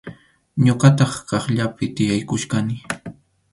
Ñuqataq kaqllapi tiyaykuchkani.